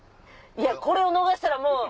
いやこれを逃したらもう。